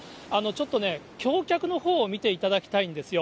ちょっとね、橋脚のほうを見ていただきたいんですよ。